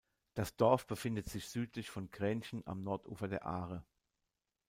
Das Dorf befindet sich südlich von Grenchen am Nordufer der Aare.